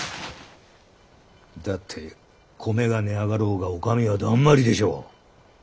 だって米が値上がろうがお上はだんまりでしょう。